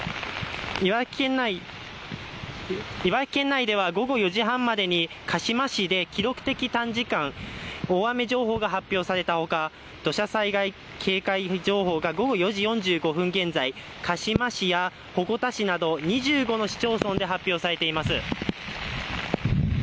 茨城県内では、午後４時半までに鹿嶋市で記録的短時間大雨情報が発表されたほか土砂災害警戒情報が午後４時４５分現在、鹿嶋市や鉾田市など２５の市町村で発表されています。